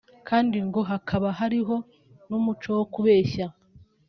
kandi ngo hakaba hariho n’umuco wo kubeshya”